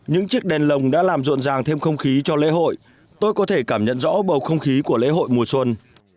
những chiếc đèn lồng đã làm rộn ràng thêm không khí cho lễ hội tôi có thể cảm nhận rõ bầu không khí của lễ hội mùa xuân